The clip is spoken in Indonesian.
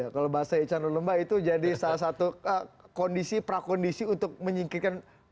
ya kalau bahasa icanul lomba itu jadi salah satu kondisi prakondisi untuk menyingkirkan